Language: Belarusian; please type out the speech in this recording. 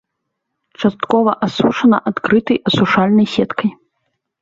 Часткова асушана адкрытай асушальных сеткай.